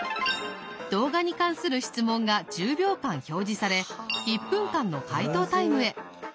動画に関する質問が１０秒間表示され１分間の解答タイムへ。